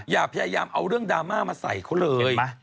อย่าพยายามเอาเรื่องดราม่ามาใส่เขาเลย